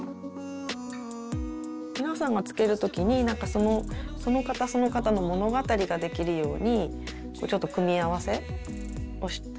皆さんがつける時になんかそのその方その方の物語ができるようにちょっと組み合わせをして。